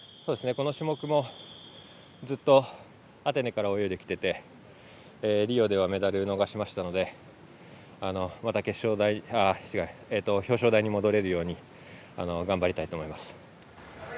この種目もずっとアテネから泳いできててリオではメダルを逃しましたのでまた表彰台に戻れるように頑張りたいと思います。